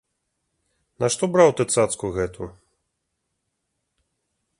Нашто браў ты цацку гэту?